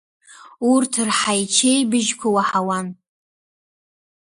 Урҭ рҳаичеибыжьқәа уаҳауан.